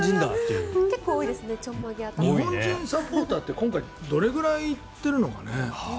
日本人サポーターって今回どれくらい行ってるのかな。